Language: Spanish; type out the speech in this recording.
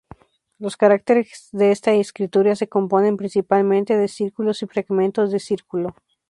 Los caracteres de esta escritura 'se componen principalmente de círculos y fragmentos de círculo'.